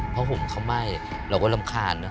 เพราะห่มเขาไหม้เราก็รำคาญเนอ